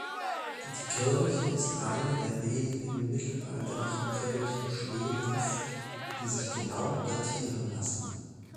Die Kirche ist eine der wenigen mittelalterlichen Kirchen Schwedens, die sich genau datieren lassen.